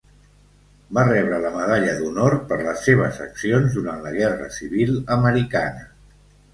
Va rebre la Medalla d'Honor per les seves accions durant la guerra civil americana.